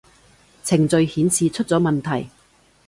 程序顯示出咗問題